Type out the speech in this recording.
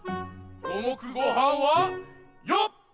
ごもくごはんはよっ！